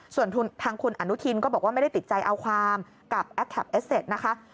ส่วนทางคุณอนุทินก็บอกว่าไม่ได้ติดใจเอาความกับแอคแคปเอสเซตนะคะ